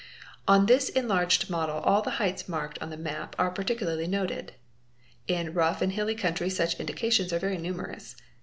On this enlarged model all the heights marked on the map are particularly noted. In rough and hilly country such indications are very numerous.